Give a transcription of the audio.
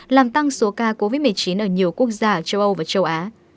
làm tăng số ca covid một mươi chín ở nhiều quốc gia ở châu âu và châu á